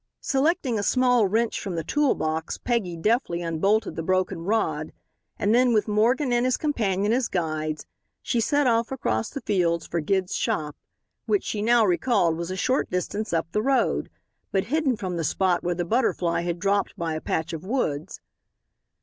Selecting a small wrench from the tool box Peggy deftly unbolted the broken rod, and then, with Morgan and his companion as guides, she set off across the fields for Gid's shop, which she now recalled was a short distance up the road, but hidden from the spot where the Butterfly had dropped by a patch of woods.